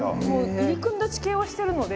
入り組んだ地形をしてるので。